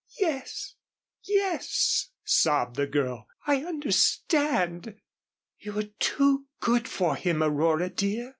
"Yes yes," sobbed the girl. "I understand." "You were too good for him, Aurora, dear.